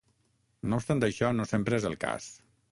No obstant això no sempre és el cas.